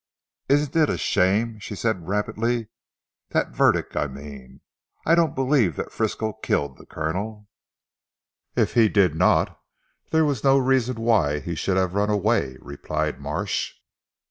"Isn't it a shame?" she said rapidly, "that verdict I mean. I don't believe that Frisco killed the Colonel." "If he did not there was no reason why he should have run away," replied Marsh.